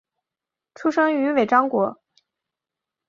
出生于尾张国。